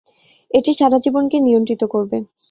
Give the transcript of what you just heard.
এটি সারা জীবনকে নিয়ন্ত্রিত করবে।